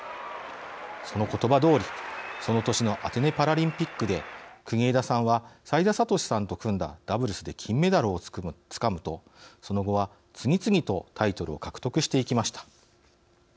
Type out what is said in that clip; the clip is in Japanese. その言葉どおり、その年のアテネパラリンピックで国枝さんは齋田悟司さんと組んだダブルスで金メダルをつかむと、その後は次々とタイトルを獲得していきました。